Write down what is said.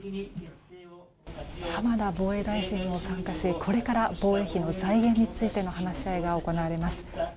浜田防衛大臣も参加しこれから防衛費の財源についての話し合いが行われます。